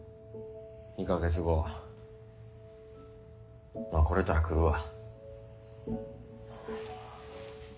２か月後まあ来れたら来るわ。